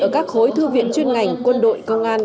ở các khối thư viện chuyên ngành quân đội công an